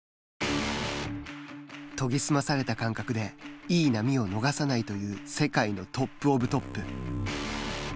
研ぎ澄まされた感覚でいい波を逃さないという世界のトップ・オブ・トップ。